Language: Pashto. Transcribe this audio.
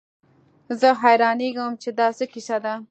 زه حيرانېږم چې دا څه کيسه ده.